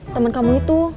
temen kamu itu